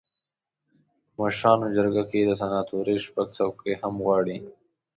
په مشرانو جرګه کې د سناتورۍ شپږ څوکۍ هم غواړي.